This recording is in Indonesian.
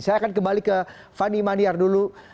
saya akan kembali ke fani maniar dulu